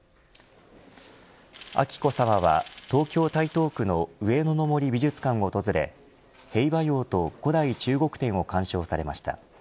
彬子さまは、東京、台東区の上野の森美術館を訪れ兵馬俑と古代中国展を鑑賞されました。